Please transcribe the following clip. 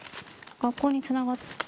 学校につながる？